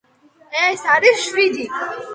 ეს არის შვიდი.